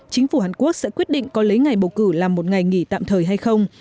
chính phủ hàn quốc sẽ quyết định có lấy ngày bầu cử làm một ngày nghỉ tạm thời hay không